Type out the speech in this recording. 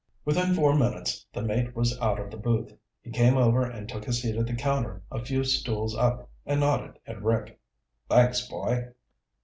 Within four minutes the mate was out of the booth. He came over and took a seat at the counter a few stools up and nodded at Rick. "Thanks, boy."